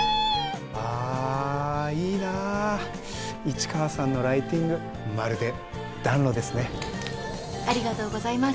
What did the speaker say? あいいな市川さんのライティングまるで暖炉ですね。ありがとうございます。